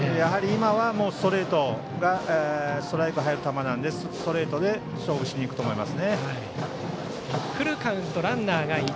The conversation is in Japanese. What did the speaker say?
今はストレートがストライクが入る球なのでストレートで勝負しに行くと思います。